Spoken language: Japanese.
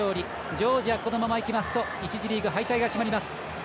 ジョージア、このままいきますと１次リーグ敗退が決まります。